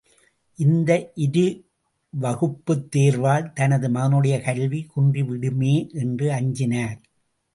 இந்த இருவகுப்புத் தேர்வால் தனது மகனுடைய கல்வி குன்றி விடுமே என்று அஞ்சினார்.